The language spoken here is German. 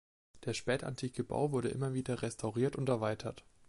Der spätantike Bau wurde immer wieder restauriert und erweitert.